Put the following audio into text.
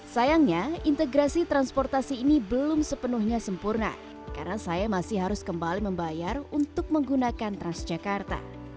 sayangnya integrasi transportasi ini belum sepenuhnya sempurna karena saya masih harus kembali membayar untuk menggunakan transjakarta